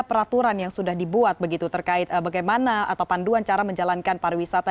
peraturan yang sudah dibuat begitu terkait bagaimana atau panduan cara menjalankan pariwisata